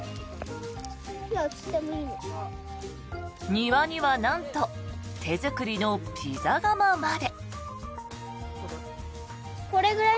庭にはなんと手作りのピザ窯まで。